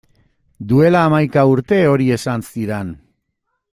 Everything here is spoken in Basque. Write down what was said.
Duela hamaika urte hori esan zidan.